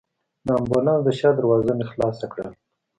د امبولانس د شا دروازه مې خلاصه کړل.